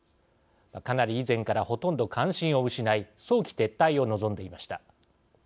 かなり以前からほとんど関心を失い早期撤退を望んでいました。